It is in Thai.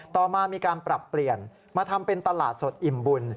ต่อมามีการปรับเปลี่ยนมาทำเป็นตลาดสดอิ่มบุญ